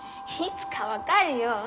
いつか分かるよ。